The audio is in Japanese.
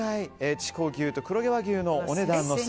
筑穂牛と黒毛和牛のお値段の差